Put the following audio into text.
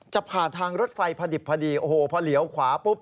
จะผ่านทางรถไฟพอดิบพอดีโอ้โหพอเหลียวขวาปุ๊บ